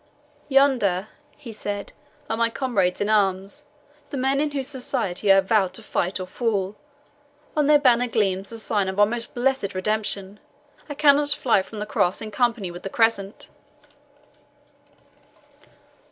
"Yonder," he said, "are my comrades in arms the men in whose society I have vowed to fight or fall. On their banner gleams the sign of our most blessed redemption I cannot fly from the Cross in company with the Crescent."